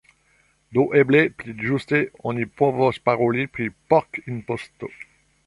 Do eble pli ĝuste oni povos paroli pri pork-imposto.